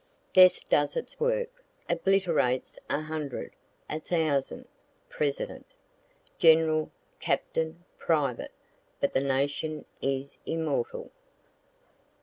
Death does its work, obliterates a hundred, a thousand President, general, captain, private, but the Nation is immortal.